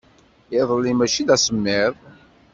Iḍelli maci d asemmiḍ.